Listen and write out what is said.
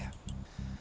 dan kamu tahu